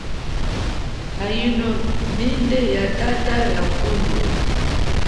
Aino yile minda ya tata liakulu.